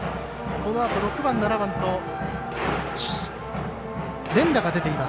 このあと６番、７番と連打が出ています。